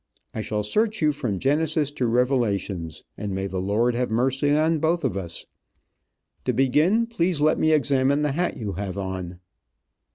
I shall search you from Genesis to Revelations, and may the Lord have mercy on both of us. To begin, please let me examine the hat you have on."